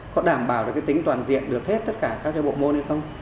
có đảm bảo được cái tính toàn diện được hết tất cả các bộ môn hay không